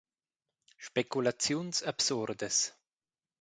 Speculaziuns absurdas.